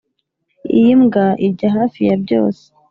iyi mbwa irya hafi ya byose.